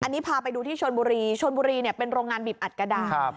อันนี้พาไปดูที่ชนบุรีชนบุรีเนี่ยเป็นโรงงานบีบอัดกระดาษ